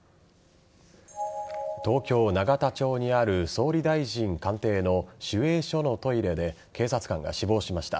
東京・永田町にある総理大臣官邸の守衛所のトイレで警察官が死亡しました。